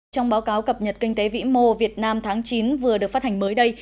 trong báo cáo cập nhật kinh tế vĩ mô việt nam tháng chín vừa được phát hành mới đây